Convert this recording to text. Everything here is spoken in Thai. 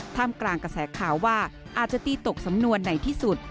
กลางกระแสข่าวว่าอาจจะตีตกสำนวนในที่สุด